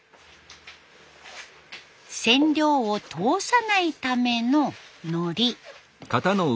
染料を通さないためののり。